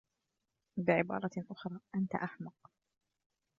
بعبارة أخرى أنت أحمق.